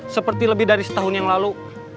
seperti lebih dari setahun yang lalu